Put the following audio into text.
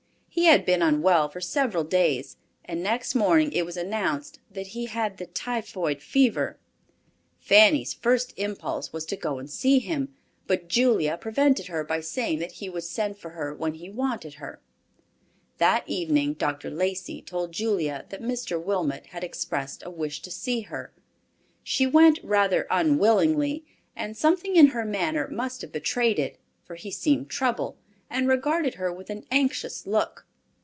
He had been unwell for several days, and next morning it was announced that he had the typhoid fever. Fanny's first impulse was to go and see him, but Julia prevented her by saying that he would send for her when he wanted her. That evening Dr. Lacey told Julia that Mr. Wilmot had expressed a wish to see her. She went rather unwillingly, and something in her manner must have betrayed it, for he seemed troubled, and regarded her with an anxious look.